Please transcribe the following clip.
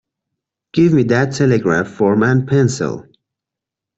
Give me that telegraph form and pencil.